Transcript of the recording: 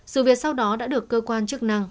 sự việc sau đó đã được cơ quan chức năng